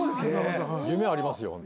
夢ありますよ。